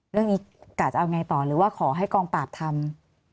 เรื่องนี้แก่จะเอาอะไรต่อหรือว่าขอให้กองปราบทำ